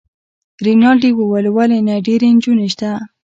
رینالډي وویل: ولي نه، ډیرې نجونې شته.